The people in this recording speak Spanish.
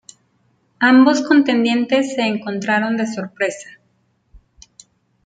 Ambos contendientes se encontraron de sorpresa.